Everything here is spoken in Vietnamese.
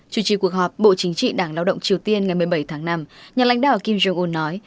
chủ trì cuộc họp bộ chính trị đảng lao động triều tiên ngày một mươi bảy tháng năm nhà lãnh đạo kim jong un nói